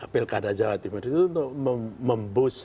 pilkada jawa timur itu untuk mem boost